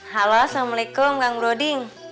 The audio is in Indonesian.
halo assalamualaikum kak broding